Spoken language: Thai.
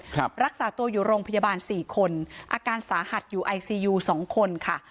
รักษาตัวอยู่โรงพยาบาลสี่คนอาการสาหัสอยู่ไอซียูสองคนค่ะ